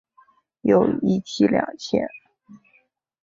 有一妻两妾。